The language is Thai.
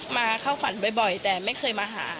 มาเข้าฝันบ่อยแต่ไม่เคยมาหา